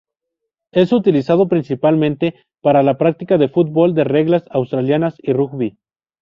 Es utilizado principalmente para la práctica del fútbol de reglas australianas y rugby.